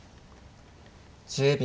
１０秒。